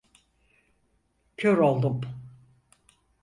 Kör oldum!